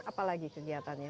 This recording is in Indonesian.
apa lagi kegiatannya